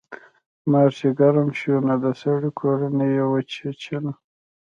مار چې ګرم شو نو د سړي کورنۍ یې وچیچله.